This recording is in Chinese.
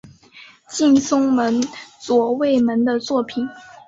近松门左卫门的作品。